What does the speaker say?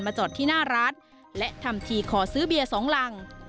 จอดที่หน้าร้านและทำทีขอซื้อเบียร์สองรัง